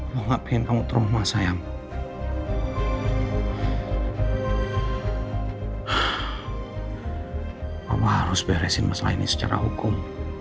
bapak harus beresin masalah ini secara hukum